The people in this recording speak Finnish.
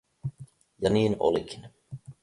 Ja niin olikin.